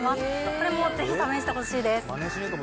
これもぜひ試してほしいです。